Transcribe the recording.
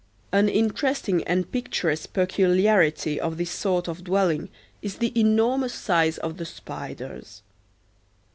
An interesting and picturesque peculiarity of this sort of dwelling is the enormous size of the spiders.